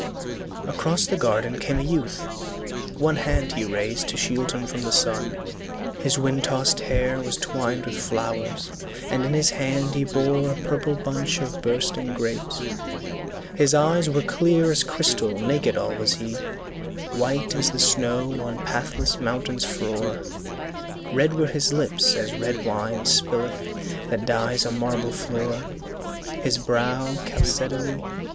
across The garden came a youth; one hand he raised To shield him from the sun, his wind tossed hair Was twined with flowers, and in his hand he bore A purple bunch of bursting grapes, his eyes Were clear as crystal, naked all was he, White as the snow on pathless mountains frore, Red were his lips as red wine spilith that dyes A marble floor, his brow chalcedony.